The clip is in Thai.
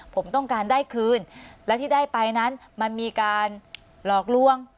ผมต้องการได้คืนและที่ได้ไปนั้นมันมีการหลอกลวง